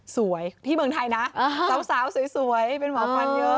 สวยที่เมืองไทยนะสาวสวยเป็นหมอฟันเยอะ